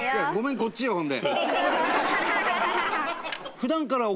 こっちよほんで。